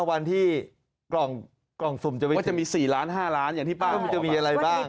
วันที่กล่องสุ่มจะมีว่าจะมี๔ล้าน๕ล้านอย่างที่ป้ามันจะมีอะไรบ้าง